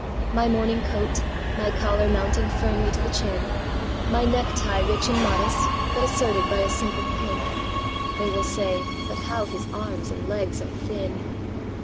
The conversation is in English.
My morning coat, my collar mounting firmly to the chin, My necktie rich and modest, but asserted by a simple pin—(They will say: "But how his arms and legs are thin!")